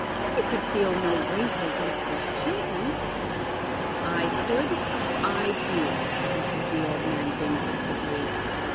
You could feel no rancour against his children." "I could. I do," answers the old man, vindictively.